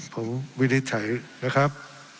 ผมวินิจฉัยนะครับ